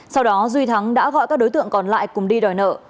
sau đó duy thắng đã gọi các đối tượng còn lại cùng đi đòi nợ